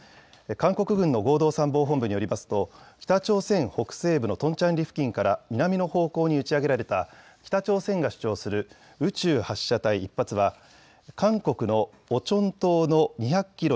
韓国軍の合同参謀本部によりますと、北朝鮮北西部のトンチャンリ付近から南の方向に打ち上げられた、北朝鮮が主張する宇宙発射体１発は、韓国のオチョン島の２００キロ